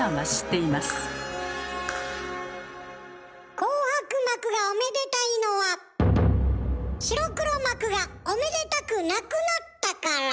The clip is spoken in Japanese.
紅白幕がおめでたいのは白黒幕がおめでたくなくなったから。